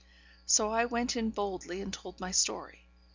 So I went in boldly, and told my story.